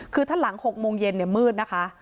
คือถ้าหลัง๖โมงเย็นมืดนะคะ